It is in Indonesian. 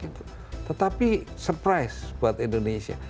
tetapi surprise buat indonesia